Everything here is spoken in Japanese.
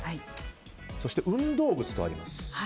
そして運動靴とあります。